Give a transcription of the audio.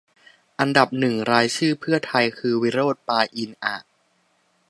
อันดับหนึ่งรายชื่อเพื่อไทยคือ วิโรจน์ เปาอินทร์ อะ